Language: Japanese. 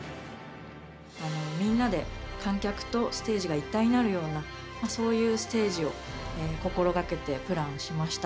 みんなで、観客とステージが一体になるようなそういうステージを心がけてプランしました。